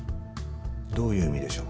どういう意味でしょう？